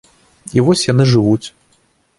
І вось яны жывуць.